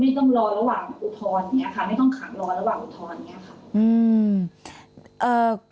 ไม่ต้องขังรอระหว่างอุทธรณ์นี้ค่ะ